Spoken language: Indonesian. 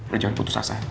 lo jangan putus asa